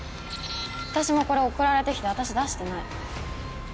私もこれ送られてきて私出してない。